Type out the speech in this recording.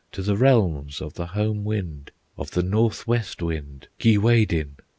To the regions of the home wind, Of the Northwest Wind, Keewaydin.